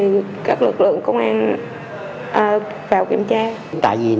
đặt lực lượng công an vào kiểm tra